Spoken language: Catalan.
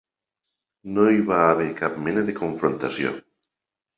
No hi va haver cap mena de confrontació.